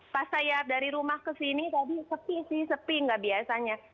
pas saya dari rumah ke sini tadi sepi sih sepi nggak biasanya